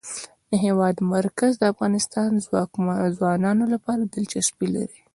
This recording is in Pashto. د هېواد مرکز د افغان ځوانانو لپاره دلچسپي لري.